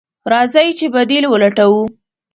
راځئ چې بديل ولټوو.